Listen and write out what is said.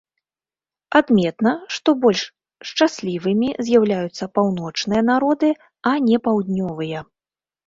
Адметна, што больш шчаслівымі з'яўляюцца паўночныя народы, а не паўднёвыя.